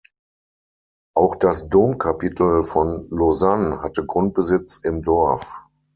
Auch das Domkapitel von Lausanne hatte Grundbesitz im Dorf.